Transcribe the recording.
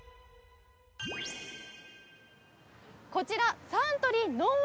こちらサントリーのん